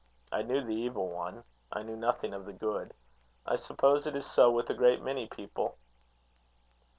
I knew the evil one; I knew nothing of the good. I suppose it is so with a great many people."